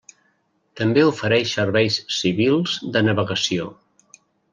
També ofereix serveis civils de navegació.